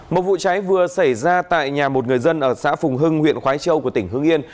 một vụ cháy vừa xảy ra tại nhà một người dân ở xã phùng hưng huyện khói châu của tỉnh hưng yên